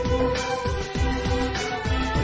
โอ้โอ้โอ้โอ้